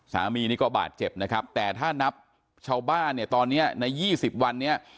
สามีนี่ก็บาดเจ็บนะครับแต่ถ้านับชาวบ้านเนี่ยตอนนี้ใน๒๐วันนี้